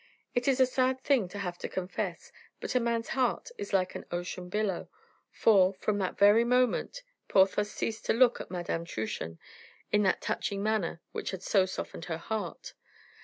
It is a sad thing to have to confess, but a man's heart is like an ocean billow; for, from that very moment Porthos ceased to look at Madame Truchen in that touching manner which had so softened her heart.